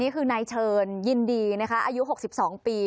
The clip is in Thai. นี่คือในเชิญยินดีอายุ๖๒ปี